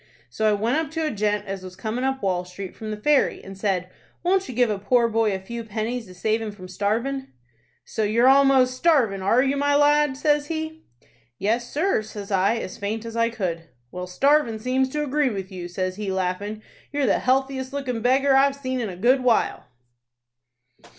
So I went up to a gent as was comin' up Wall Street from the Ferry, and said, 'Won't you give a poor boy a few pennies to save him from starvin'?'" "'So you're almost starvin', are you, my lad?'" says he. "'Yes, sir,' says I, as faint as I could. "'Well, starvin' seems to agree with you,' says he, laughin'. 'You're the healthiest lookin' beggar I've seen in a good while.'